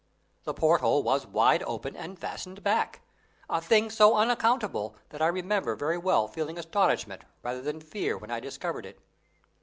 The porthole was wide open and fastened back a thing so unaccountable that I remember very well feeling astonishment rather than fear when I discovered it.